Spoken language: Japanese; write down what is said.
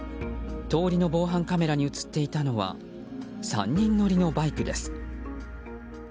通りの防犯カメラに映っていたのは３人乗りのバイクです。